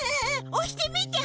おしてみて！